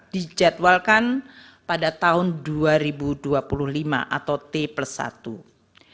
dijadwalkan pada tahun dua ribu dua puluh lima atau t plus satu b